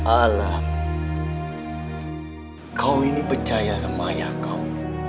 alam kau ini percaya sama ayah kau